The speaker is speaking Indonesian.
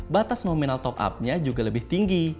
batas nominal top upnya juga lebih tinggi